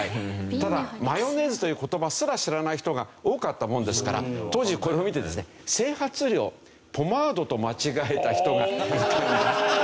ただマヨネーズという言葉すら知らない人が多かったものですから当時これを見てですね整髪料ポマードと間違えた人がいた。